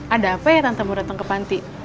ada apa ya tante mau datang ke panti